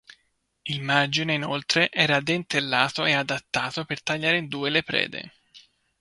Il margine, inoltre, era dentellato e adattato per tagliare in due le prede.